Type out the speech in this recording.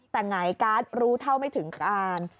แต่ไหนการรู้เท่าไม่ถึงการ